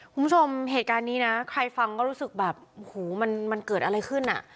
คุณผู้ชมเหตุการณ์นี้นะใครฟังก็รู้สึกแบบหูมันเกิดอะไรขึ้นอ่ะ